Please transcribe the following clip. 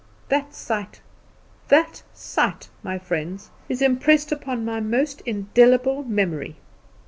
That sight that sight, my friends, is impressed upon my most indelible memory.